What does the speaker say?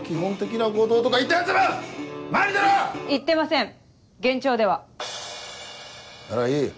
ならいい。